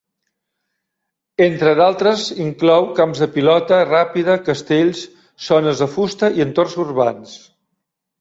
Entre d'altres, inclou camps de pilota ràpida, castells, zones de fusta i entorns urbans.